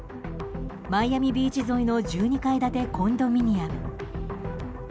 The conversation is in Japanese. マイアミビーチ沿いの１２階建てコンドミニアム。